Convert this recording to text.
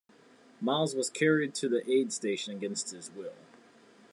Miles was carried to the aid station against his will.